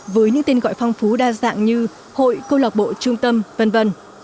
với những tên gọi phong phú đa dạng như hội cô lọc bộ trung tâm v v